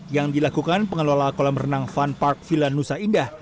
yang dilakukan pengelola kolam renang fun park villa nusa indah